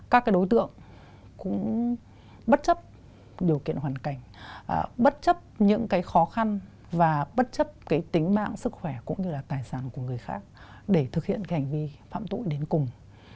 các đối tượng cũng bất chấp điều kiện hoàn cảnh bất chấp những khó khăn và bất chấp tính mạng sức khỏe cũng như là tài sản của người khác để thực hiện hành vi phạm tội đến cùng